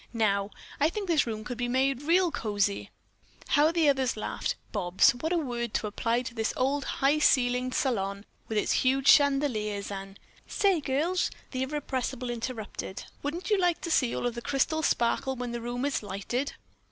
Now, I think this room could be made real cozy." How the others laughed. "Bobs, what a word to apply to this old high ceiled salon with its huge chandeliers and " "Say, girls," the irrepressible interrupted, "wouldn't you like to see all of those crystals sparkle when the room is lighted?"